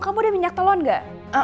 kamu udah minyak telon gak